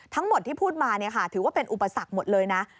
ทั้งหมดที่พูดมาถือว่าเป็นอุปสรรคหมดเลยนะ